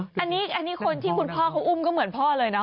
อันนี้คนที่คุณพ่อเขาอุ้มก็เหมือนพ่อเลยนะ